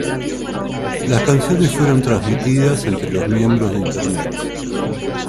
Las canciones fueron transmitidas entre los miembros por Internet